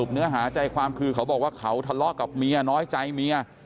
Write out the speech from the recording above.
เนื้อหาใจความคือเขาบอกว่าเขาทะเลาะกับเมียน้อยใจเมีย